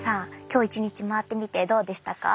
今日１日回ってみてどうでしたか？